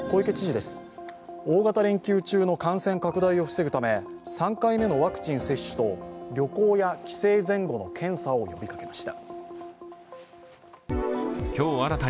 大型連休中の感染拡大を防ぐため３回目のワクチン接種と旅行や帰省前後の検査を呼びかけました。